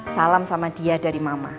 salam sama dia dari mama